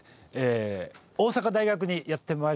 大阪大学にやって参りました。